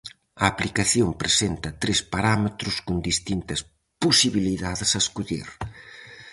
A aplicación presenta tres parámetros con distintas posibilidades a escoller.